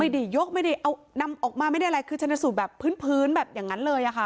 ไม่ได้ยกไม่ได้เอานำออกมาไม่ได้อะไรคือชนะสูตรแบบพื้นแบบอย่างนั้นเลยค่ะ